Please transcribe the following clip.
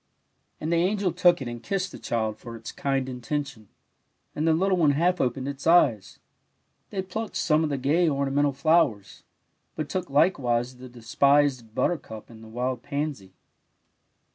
And the angel took it and kissed the child for its kind intention, and the little one half opened its eyes. They plucked some of the gay, ornamental flowers, but took likcTsdse the despised buttercup and the wild pansy.